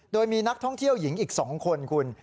โดยมีนักท่องเที่ยวหญิงอีก๒คนคุณ